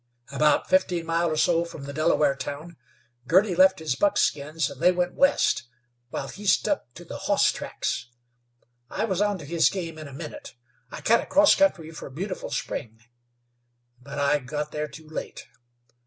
About fifteen mile or from the Delaware town, Girty left his buckskins, an' they went west, while he stuck to the hoss tracks. I was onto his game in a minute. I cut across country fer Beautiful Spring, but I got there too late.